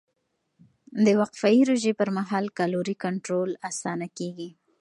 د وقفهيي روژې پر مهال کالوري کنټرول اسانه کېږي.